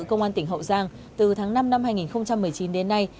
công an tỉnh hậu giang từ tháng năm năm hai nghìn một mươi chín đến nay